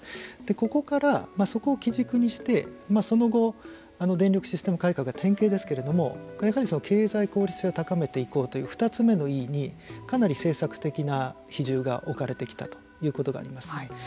ここからそこを基軸にしてその後、電力システム改革が典型ですけれどもやはり経済効率性を高めていこうという２つ目のＥにかなり政策的な比重が置かれてきたということがあります。